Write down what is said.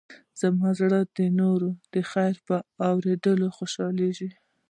زما زړه د نورو د خیر په اورېدو خوشحالېږي.